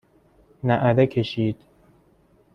نعره کشید